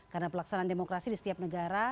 karena pelaksanaan demokrasi di setiap negara